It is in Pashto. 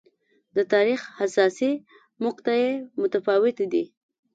د تاریخ حساسې مقطعې متفاوتې دي.